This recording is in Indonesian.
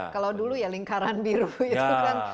kalau dulu ya lingkaran biru itu kan